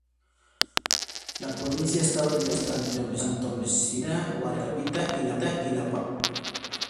La provincia estaba dividida en tres cantones: Zipaquirá, Guatavita y La Palma.